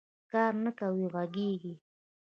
کار نه کوې غږېږې